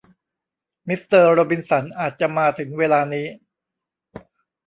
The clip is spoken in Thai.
มิสเตอร์โรบินสันอาจจะมาถึงเวลานี้